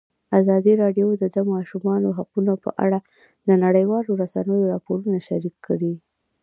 ازادي راډیو د د ماشومانو حقونه په اړه د نړیوالو رسنیو راپورونه شریک کړي.